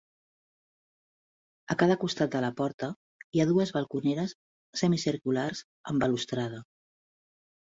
A cada costat de la porta hi ha dues balconeres semicirculars amb balustrada.